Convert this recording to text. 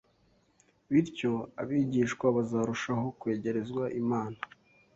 bityo abigishwa bazarushaho kwegerezwa Imana